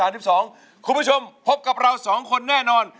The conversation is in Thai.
คุณผู้ชมพบกับเราสองคนแน่นอน